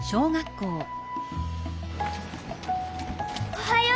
おはよう！